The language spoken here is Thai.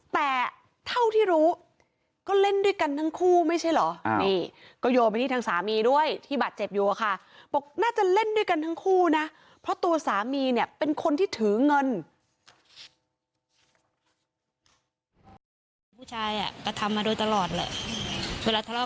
แต่ท้าวที่รู้ก็เล่นด้วยกันทั้งคู่ใหม่ใช่หรอ